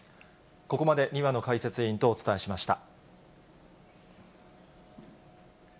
ここまで庭野解説委員とお伝えしました。